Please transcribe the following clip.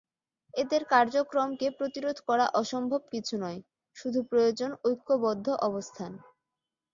এদের কার্যক্রমকে প্রতিরোধ করা অসম্ভব কিছু নয়, শুধু প্রয়োজন ঐক্যবদ্ধ অবস্থান।